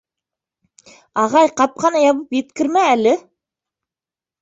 — Ағай, ҡапҡаны ябып еткермә әле...